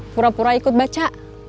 pura pura ikut baca